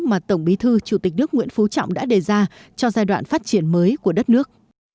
mà tổng bí thư chủ tịch nước nguyễn phú trọng đã đề ra cho giai đoạn phát triển mới của đất nước